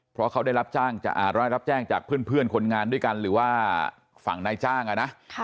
เพราะเขาได้รับแจ้งจากเพื่อนคนงานด้วยกันหรือว่าฝั่งนายจ้างนะ